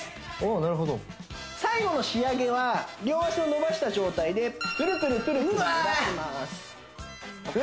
ああなるほど最後の仕上げは両足を伸ばした状態でプルプルプルプル揺らしますうわ